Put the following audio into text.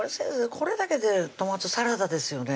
これだけでトマトサラダですよね